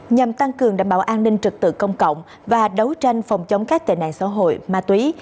nhằm tăng cường đảm bảo an ninh trực tự công cộng và đấu tranh phòng chống các tệ nạn xã hội ma túy